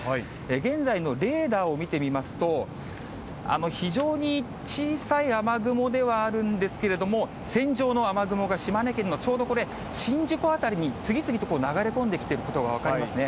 現在のレーダーを見てみますと、非常に小さい雨雲ではあるんですけれども、線状の雨雲が島根県のちょうどこれ、宍道湖辺りに次々と流れ込んできているのが分かりますね。